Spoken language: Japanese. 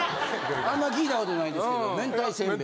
あんま聞いたことないですけど明太せんべい。